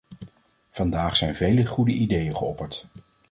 Vandaag zijn vele goede ideeën geopperd.